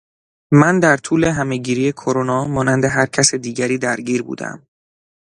من در طول همهگیری کرونا مانند هر کس دیگری درگیر بودهام